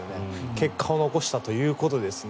結果を残したということですね。